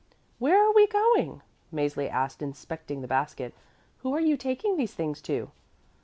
"Where are we going?" Mäzli asked, inspecting the basket. "Who are you taking these things to?"